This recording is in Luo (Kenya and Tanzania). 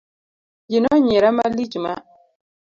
Ji nonyiera malich ma.